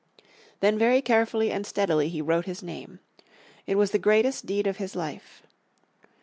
Then very carefully and steadily he wrote his name. It was the greatest deed of his life.